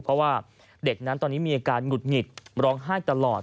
เพราะว่าเด็กนั้นตอนนี้มีอาการหงุดหงิดร้องไห้ตลอด